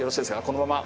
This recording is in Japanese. このまま。